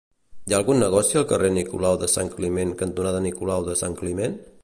Hi ha algun negoci al carrer Nicolau de Sant Climent cantonada Nicolau de Sant Climent?